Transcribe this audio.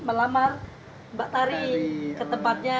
melamar mbak tari ke tempatnya